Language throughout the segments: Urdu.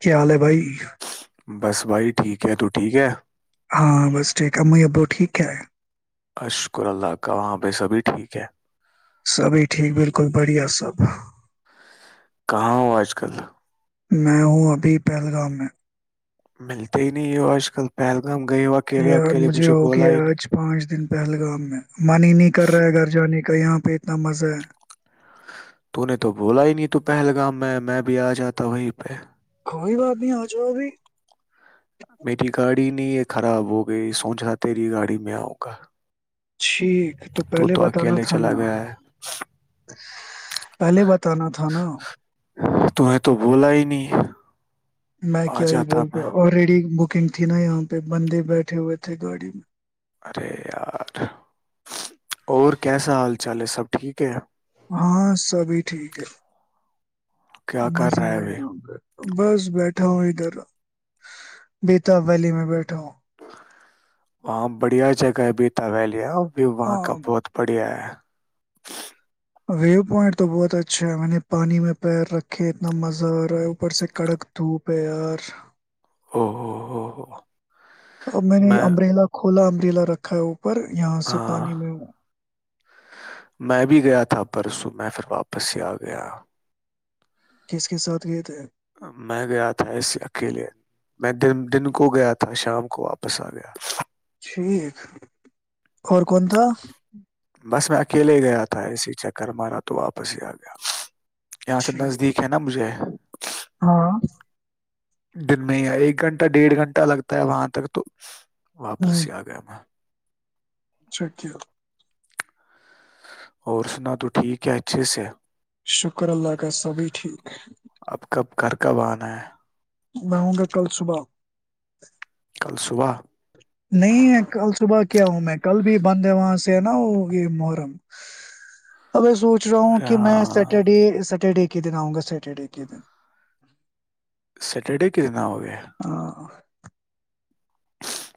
کیا حال ہے بھائی بس بھائی ٹھیک ہے ت ٹھیک ہے ہاں بس ٹھیک امو ابو ٹھیک کیا ہے اشکر اللہ کہ وہاں پہ سبھی ٹھیک ہے سبھی ٹھیک بالکل بڑھیا سب کہاں ہو آج کل میں ہوں ابھی پہلگام میں ملتے ہی نہیں ہو آج کل پہل یار مجھے ہو گیا نہیں آج پانچ دن پہلگام میں من ہی نہیں کر رہا ہے گھر جانے کا کا یہاں پہ اتنا مزہ ہے تو نے تو بولا ہی نہیں تو پہلگام میں میں بھی آ جاتا وہیں پہ کوئی بات نہیں آ جاؤ ابھی میری گاڑی نہیں یہ خراب ہو گئی سوچ رہا تری گاڑی میں آں گا ٹھیک تو پہلے بتانا تھا نا پہلے بتانا تھا نا ت نے تو بولا ہی نہیں میں آ کیا ہی جاتا بولتا میں ہوں آلریڈی بک بکنگ تھی نا یہاں پہ بندے بیٹھے ہوئے تھے گاڑی میں ارے یار اور کیسا حال چال ہے سب ٹھیک ہے ہاں سبھی ٹھیک ہے کیا کر مزہ رہا ہے ہےئے وہ یہاں پر بس بیٹھا ہوں ادھر بیتاب ویلی میں بیٹھا ہوں ہاں بڑھیا جگہ ہے بیتا ویلی بھی وہاں کا ہاں بہت بڑھیا ہے ویو پوائنٹ تو بہت اچھا ہے میں نے پانی میں پیر رکھے اتنا مزہ آ رہا ہے اوپر سے کڑک دھوپ ہے یار او ہو ہو ہو ا میں نے امبریلا کو کوولا امبریلا رکھا ہو ہاں میں بھی گیا تھا پرسوں میں پھر واپس ہی آ گیا کس کے ساتھ گئے تھے میں گیا تھا اس سے اکیلے میں دن کو گیا تھا شام کو واپس آ گیا ٹھیک اور کون تھا بس میں اکیلے ہی گیا تھا اسی چکر مارا تو واپس ہی آ گیا یہاں سے ٹھیک نزدیک ہے نا مجھے ہاں دن میں ایک گھنٹہ ڈیڑھ گھنٹہ لگتا ہے وہاں تک تو واپس ہی آ گیا میں شکہ اور سنا تو ٹھیک ہے اچھے سے شکر اللہ کا سبھی ٹھیک اب کب گھر کب آنا ہے میں ہوں گا کل صبح ہ [inaudible] کل صبح نہیں ہے کل صبح کیا ہوں میں کل بھی بند ہے وہاں سے نا وہ یہ محرم اب سوچ رہا ہوں ارے کہ میں ہاں سیٹرڈے سٹرڈے کے دن آؤں گا سیٹرڈے کے دن سٹرڈے کتنا ہو گیا ہاں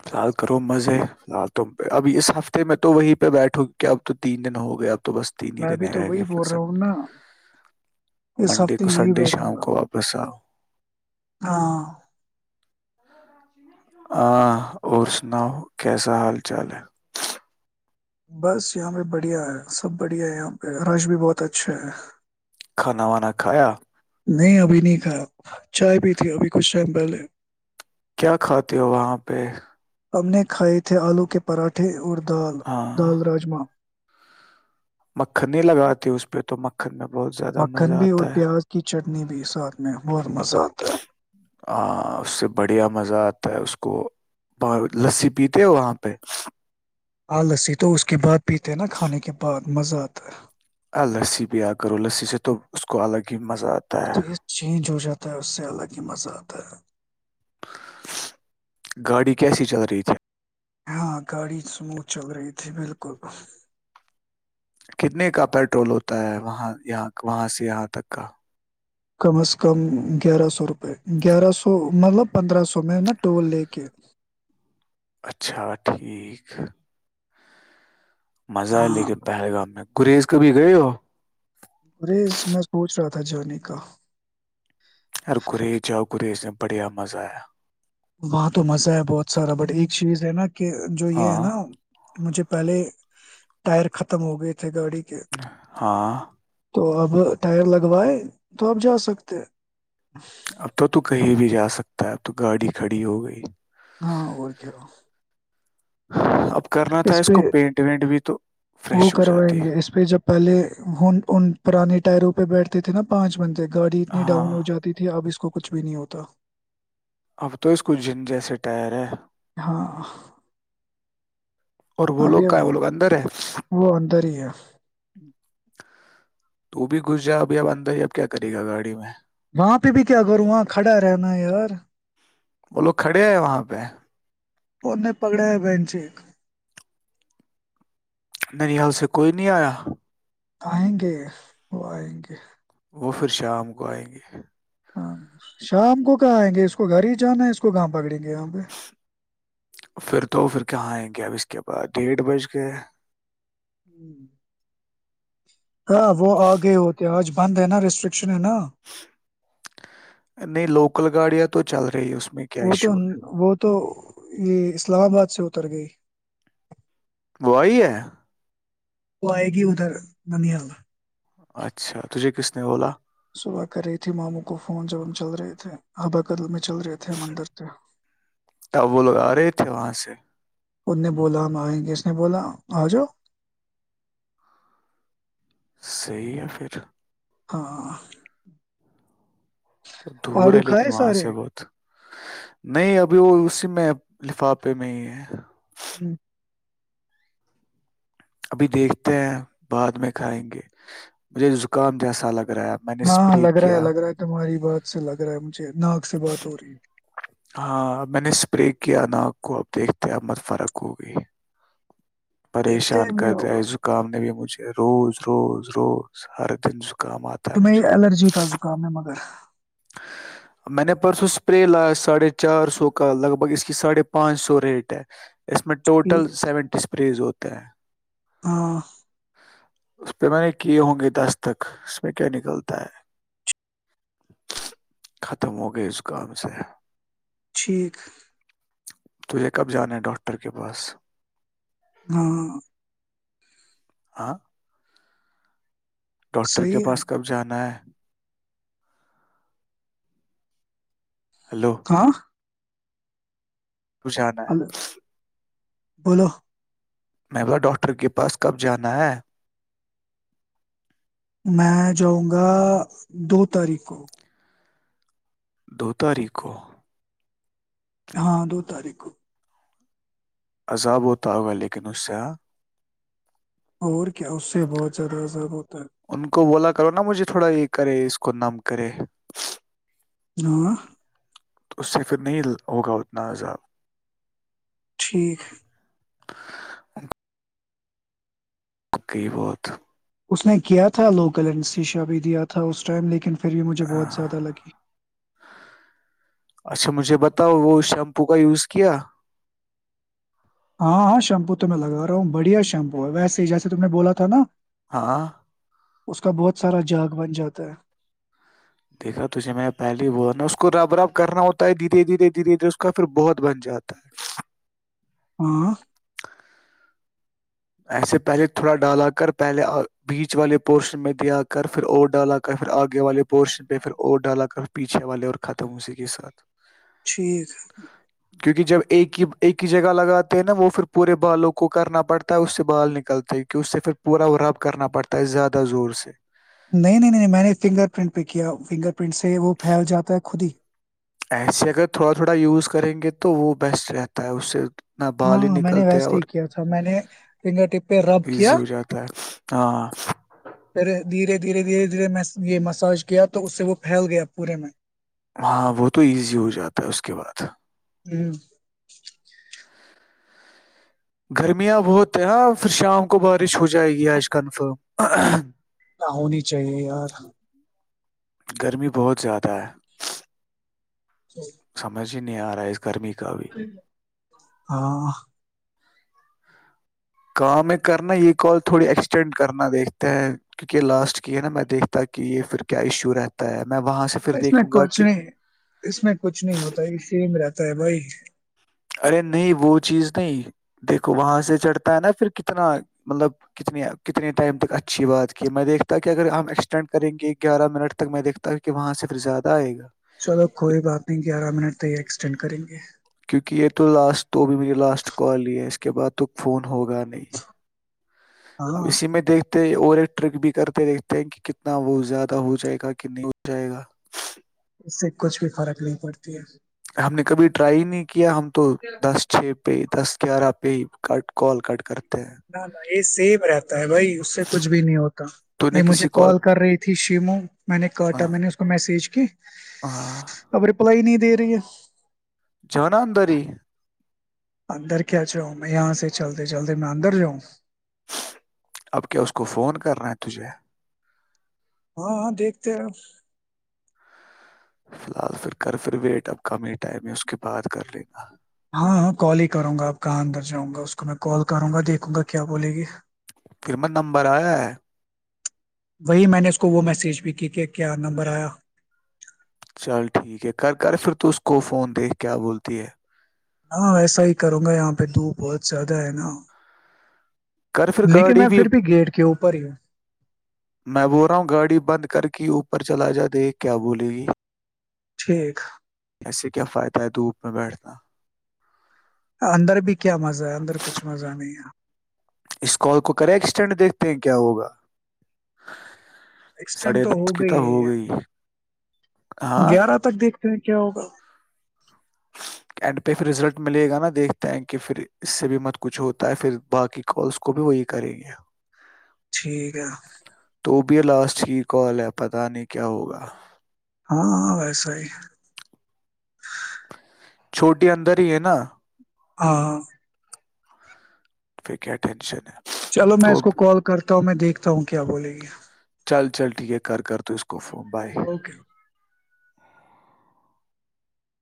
فال کرو مزے لال تم پہ اب اس ہفتے میں تو وہیں پہ بیٹھو کیا اب تو تین دن ہو گئے اب تو بس تین ہی میں بھی دینے تو رہ گئے وہی بول رہا فصد ہوں نا اس منڈے ہفتے کو یہی سنڈے بیٹھوں شام گا کو واپس آؤ ہاں ہاں اور سناؤ کیسا حال چال ہے بس یہاں پہ بڑھیا ہے سب بڑھیا ہے یہاں پہ رش بھی بہت اچھا ہے کھانا وانا کھایا نہیں ابھی نہیں تھاا چائے پی تھی ابھی کچھ ٹائم پہلے کیا کھاتے ہو وہاں پہ ہم نے کھائے تھے آلو کے پراٹھے اور دال دال راجما مکھن نہیں لگاتی اس پہ تو مکھن میں بہت زیادہ مکھن مزہ بھی اور آتا پیاز کی چٹ اپنی بھی ساتھ میں ہو ہ اس سے بڑھیا مزہ تا اس کو لسی پیتے ہیں وہاں پہ [unintelligible] ہ لسی بھییا کرو لسی سے تو اس کو الگ ہی مزہ اس آتا ہے نے چینج ہو جاتا ہے اس سے اللہ کی مزہ اتا ہے گاڑی کیسی چل رہی تھی ہاں گاڑی سموتھ چل رہی تھی بالکل کتنے کا پیٹرول ہوتا ہے وہاں سے یہاں تک کا کم از کم گیارہ سو روپئے گیارہ سو مطلب پندرہ سو میں نا ٹول لے کے اچھا ٹھیک مزہ ہے ہاں لیکن پہلگام میں گریز کبھی گئے ہو گریز میں سوچ رہا تھا جانے کا گریز جاؤ گریز میں بڑھیا مزہ ہے وہاں تو مزہ ہے بہت سارا بٹ ایک چیز ہے نا کہ جو یہ ہے ہاں نا مجھے پہلے ٹائر ختم ہو گئے تھے گاڑی کے ہاں تو اب ٹائر لگوائے تو آپ جا سکتے اب تو تو کہیں بھی جا سکتا ہے اب تو گاڑی کھڑی ہو گئی ہاں اور کیا ہو ا اس پہ وہ فریش ہو جاتی کروائیں گے اس پہ جب پہلے ان پرانے ٹائروں پہ بیٹھتے تھے نہ پچ بند گاڑی اتنی ہاں ڈاؤن ہو جاتی تھی اب اس کو کو کچھ بھی نہیں ہوتا اب تو اس کو جن جیسے ٹائر ہے ہاں اور وہ اب لوگ کا ہے یہ وہ لوگ اندر ہے وہ اندر ہی ہے تو بھی گھس جا ابھی اب اندر ہی اب کیا کرے گا گاڑی میں وہاں پہ بھی کیا کروں وہاں کھڑا رہنا یار وہ لو کھڑے ہیں وہاں پہ اور نے پکڑا ہے بینچ ایک نریال سے کوئی نہیں آیا آئیں گے وہ آئیں گے وہ پھر شام کو آئیں گے ہاں شام کو کہ آئیں گے اس کو گھر ہی جانا ہے اس کو گؤ پکڑیں گے یہاں پہ پھر تو پھر کہاں آئیں گے کیا اب اس کے بعد ڈیھ بج گئے ہوں [inaudible] ہاں وہ آگئے ہوتے ہیں آج بند ہے نا رسٹرکشن نہیں لوکل گاڑیاں تو تو چل رہی ہے اس میں کیا وہ تو ایشو وہ تو یہ اسلام آباد سے اتر گئی کوی ہے [unintelligible] وہ آئے گی ادھر ننحال اچھا تجے قس پولا صبح کر رہی تھی ماموں کو فون جب ہم چل رہے تھے ہاں ب کر میں چل رہے تھے ہم اندر سے تب وہ لوگ آ رہے تھے وہاں سے ان نے بولا ہم آئیں کس نے بولا آ جا صحی ہے پھر ہاں تو دور ہے آڑو لیکن کھائے وہاں سے سارے بہت نہیں ابھی وہ اسی میں لفافے میں ہی ہے ہوں [unintelligible] ابھی دیکھتے ہیں بعد میں کھائیں گے مجھے زکام جیسا لگا ہاں لگ رہا ہے لگ رہا ہے تمہاری بات سے لگ رہا ہے مجھے نااک سے بات ہو رہی ہے ہاں میں نے اسپرے کیا ناک کو اب دیکھتے ا مت فرق ہوگئی دیکھتے پریشان ہیں کیا کر دیا ہوگا زکام نے بھی مجھے روز روز روز ہر دن ز تمہیں الرجی کا زکام ہے مگر میں نے پرسوں اسپرے لایا ساڑھے چار سو کا لگ بھگ اس کی ساڑھے پانچ سو ریٹ ہے اس م میں یہ- وٹل سیونٹی پریز ہوتا ہے [unintelligible] ہاں اس پہ میں نے کیے ہوں گے دس تک اس میں کیا نکلتا ہے ختم ہو گئے اس کام سے ٹھیک تجھے کب جانا ہے ڈاکٹر کے پاس ہاں آاں [unintelligible] ڈاکٹر کے صحیح ہے پاس کب جانا ہے ہیلو ہاں کشانہ ہلو [unintelligible] بولو محلا ڈاکٹر کے پاس کب جانا ہے میں جاؤں گا دو تاریخ کو دو تاریخ کو ہاں دو تاریخ کو عذاب ہوتا ہوگا لیکن اس سے ہ اور کیا اس سے بہت زیادہ عذاب ہو ان کو بولا کرو نا مجھے تھوڑا یہ کرے اس کو کو نام کرے [unintelligible] ہاں تو اس سے پھر نہیں ہوگا اتنا عذاب ٹھیک [inaudible] بقی بہت [unintelligible] اس نے کیا تھا لوکل این سی ش بھی دیا تھا اس ٹائم لیکن پھر بھی مجھے بہت زیادہ لگی اچھا مجھے بتا بتا وہ شیمپو کا یوز کیا ہاں ہاں شیمپو تو میں لگا رہا ہوں بڑھیا شیمپو ہے ویسے جیسے تم نے بولا تھا نا ہاں اس کا بہت سارا جاگ بن جاتا ہے دیکھا تے میں پہلے ب نا اس کو رب رب کرنا ہوتا ہے دھیرے دھیرے دھیرے دھیرے اس کا پھر بہت بن جاتا ہے ہاں ایسے پہلے تھوڑا ڈالا کر پہلے بیچ والے پورشن میں دیا کر پھر او ڈالا کر پھر آگے والے پورشن پہ پھر او ڈالا کرھر پیچھے والے اور ختم اسی کے ساتھ ٹھیک ہے کیونکہ جب ایک ہی ایک ہی جگہ لگاتے ہیں نا وہ پھر پورے بالوں کو کرنا پڑتا اس سے بال نکلتے کہ اس سے پھر پورا رب کرنا پڑتا ہے زیادہ زور سے نہیں نہیں نہیں نہیں میں نے فنگر پرنٹ پہ کیا فنگر پرنٹ سے وہ پھیل جاتا ہے خود ہی ایسے اگر تھوڑا تھوڑا یوز کریں گے تو وہ بیسٹ رہتا ہے اس سے نہ بال ہی ہاںاں میں نے نکلتے ہیں ویسے اور ہی کیا تھا میں نے فنگر ٹیپ پہ رب کیا ایزی ہو جاتا ہے ہاں پھر دھیرے دھیرے دھیرے دھیرے میں یہ مساج کیا تو اس سے وہ پھیل گیا پورے میں ہاں وہ تو ایزی ہو جاتا ہے اس کے بعد ہوں گرمیاں بہت ہے ہاں پھر شام کو بارش ہو جائے گی آج کنفرم ہونی چاہیے یار گرمی بہت زیادہ ہے جی جی نہیں آ رہا ہے اس کرمی کا بھی ہاں کام ہے کرنا یہ کال تھوڑی ایکسٹینڈ کرنا دیکھتے ہیں کیونکہ لاسٹ کی ہے نا میں دیکھتا کہ یہ پھر کیا ایشو رہتا ہے میں وہاں سے پھر اس میں دیکھوں گا کچھ کہ نہیں اس میں کچھ نہیں ہوتا اس لیے میں رہتا ہے بھائی ارے نہیں وہ چیز نہیں دیکھو وہاں سے چڑھتا ہے نا پھر کتنا مطلب کتنے کتنے ٹائم تک اچھی بات کی میں دیکھتا کہ اگر ہم ایکسٹینڈ کریں گے گیارہ منٹ تک میں دیکھتا ہوں کہ وہاں سے پھر زیادہ آئے گا چلو کوئی بات نہیں گیارہ منٹ تو یہ ایکسٹینڈ کریں گے کیونکہ یہ تو لاسٹ تو بھی میری لاسٹ کال ہی ہے اس کے بعد تو فون ہوگا نہیں اب ہاں اسی میں دیکھتے اور ایک ٹرک بھی کرتے دیکھتے ہیں کہ کتنا وہ زیادہ ہو جائے گا کہ نہیں ہو جائے گا سے کچھ بھی فرق نہیں پڑتی ہے ہم نے کبھی ٹرائی ہی نہیں کیا ہم تو دس چھ پے دس گیارہ پے کٹ کال کٹ کر دو نہ نہیں یہ سی برات بھائی اس سے کچھ بھی نہیں ہوتا تو نے نہیں مجھے کسی کال کر رہی تھی شیمو میں نے کاٹا ہاں میں نے اس کو میسج کھ ہاں اب رپلائی نہیں دے رہی ہے جناندری اندر کیا جاؤں میں یہاں سے چلتے چلتے میں اندر جاؤں اب کیا اس کو فون کر رہے ہیں تجھے ہاں ہاں دیکھتے ہیں آپ فی الحال پھر کر پھر ویٹ اب کم ہی ٹائم ہے اس کے بعد کر لینا ہاں ہاں کال ہی کروں گا آپ کہاں اندر جاؤں گا اس کو میں کال کروں گا دیکھوں گا کیا بولے گی قمت نمبر آیا ہے وہی میں نے اس کو وہ میسج بھی کی کہ کیا نمبر آیا چل ٹھیک ہے کر کر پھر تو اس کو فون دے کیا بولتی ہے ہاں ایسا ہی کروں گا یہاں پہ دھوپ بہت زیادہ ہے نا کر پھر لیکن گاڑی میں بھی پھر گیٹ کے اوپر ہی ہوں میں بول رہا ہوں گاڑی بند کر کے اوپر پر چلا جا دیک کیا بولے گی ٹھیک ایسے کیا فائدہ ہے دھوپ میں بیٹھنا اندر بھی کیا مزہ ہے اندر کچھ مزہ نہیں ہے اس کال کو کریں ایکسٹینڈ دیکھتے ہیں کیا ہوگا ایکسٹینڈ تو ہو گئی ہے ہاں گیارہ تک دیکھتے ہیں کیا ہوگا اینڈ پہ پھر رزلٹ ملے گا نا دیکھتے ہیں کہ پھر اس سے بھی مت کچھ ہوتا ہے پھر باقی کالس کو بھی وہی کریں گے ٹھیک ہے تو بھی لاسٹ کی کال ہے پت نہیں کیا ہوگا ہاں ویسا ہی چھوٹی اندر ہی ہے نا ہاں پھر کیا ٹینشن ہے چلو میں تو اس کو کال کرتا ہوں میں دیکھ تا ہوں کیا بولے گی چل چل ٹھیک ہے کر تو اس کو کفومبائی اوکے